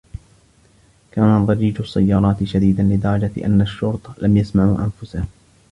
كان ضجيج السيارات شديدا لدرجة أن الشرطة لم يسمعوا أنفسهم.